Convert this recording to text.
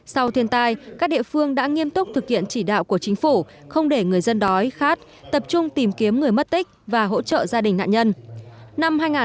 sau thiên tai các địa phương đã nghiêm túc thực hiện chỉ đạo của chính phủ không để người dân đói khát tập trung tìm kiếm người mất tích và hỗ trợ gia đình nạn nhân